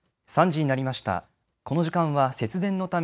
３時になりました。